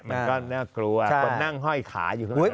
มันก็น่ากลัวคนนั่งห้อยขาอยู่ข้างนั้นก็น่ากลัว